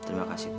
terima kasih bu